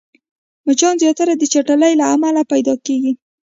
مچان زياتره د چټلۍ له امله پيدا کېږي